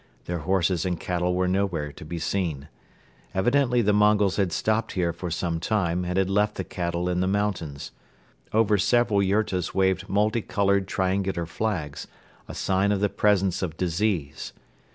Their horses and cattle were nowhere to be seen. Evidently the Mongols had stopped here for some time and had left their cattle in the mountains. Over several yurtas waved multi colored triangular flags, a sign of the presence of disease.